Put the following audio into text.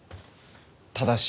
ただし。